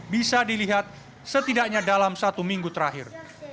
bisa dilihat setidaknya dalam satu minggu terakhir